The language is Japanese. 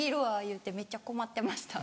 言うてめっちゃ困ってました。